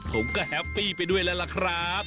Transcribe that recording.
ผมก็แฮปปี้ไปด้วยแล้วล่ะครับ